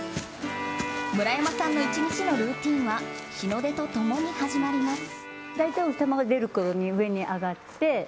村山さんの１日のルーティンは日の出と共に始まります。